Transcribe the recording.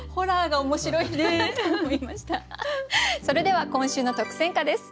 それでは今週の特選歌です。